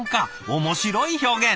面白い表現！